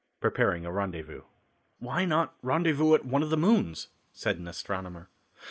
Preparing a Rendezvous. "Why not rendezvous at one of the moons?" said an astronomer.